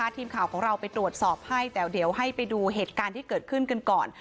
ทีมข่าวของเราไปตรวจสอบให้แต่เดี๋ยวให้ไปดูเหตุการณ์ที่เกิดขึ้นกันก่อน